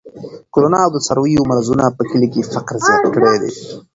کرونا او د څارویو مرضونو په کلي کې فقر زیات کړی دی.